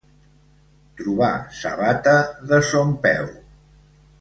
Trobar sabata de son peu.